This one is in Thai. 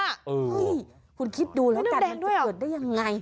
เฮ้ยคุณคิดดูแล้วกันมันเกิดได้ยังไง